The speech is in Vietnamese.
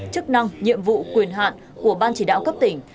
chức năng nhiệm vụ quyền hạn của ban chỉ đạo cấp tỉnh